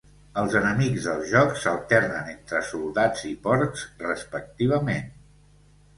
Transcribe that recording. Els enemics del joc s'alternen entre soldats i porcs, respectivament.